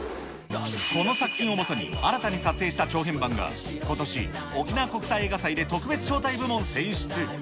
この作品をもとに、新たに撮影した長編版が、ことし、沖縄国際映画祭で特別招待部門選出。